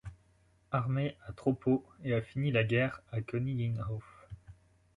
Armee à Troppau, et a fini la guerre à Königinhof.